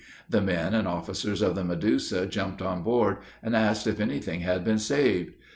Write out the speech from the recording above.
The men and officers of the Medusa jumped on board, and asked if any thing had been saved.